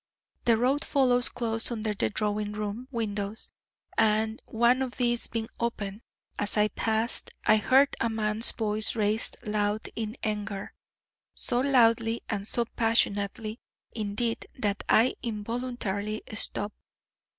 The road follows close under the drawing room windows, and, one of these being open, as I passed I heard a man's voice raised loud in anger, so loudly and so passionately, indeed, that I involuntarily stopped.